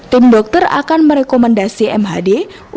tim dokter akan merekomendasi mhd untuk berjalan